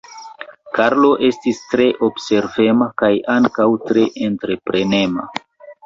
Karlo estis tre observema kaj ankaŭ tre entreprenema.